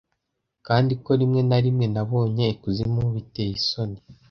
kandi ko rimwe na rimwe nabonye ikuzimu biteye isoni